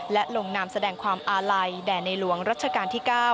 และลงนามแสดงความอาลัยแด่ในหลวงรัชกาลที่๙